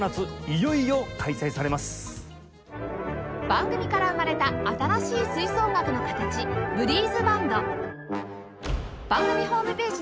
番組から生まれた新しい吹奏楽の形ブリーズバンド